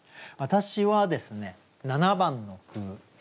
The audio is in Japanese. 私はですね７番の句。